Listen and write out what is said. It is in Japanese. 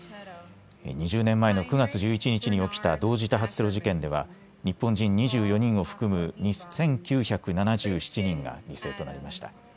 ２０年前の９月１１日に起きた同時多発テロ事件では日本人２４人を含む２９７７人が犠牲となりました。